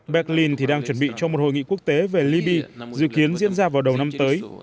berlin thì đang chuẩn bị cho một hội nghị quốc tế về libya dự kiến diễn ra vào đầu năm tới